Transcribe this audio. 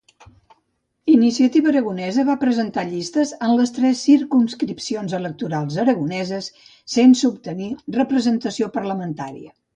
Iniciativa Aragonesa va presentar llistes en les tres circumscripcions electorals aragoneses, sense obtenir representació parlamentària.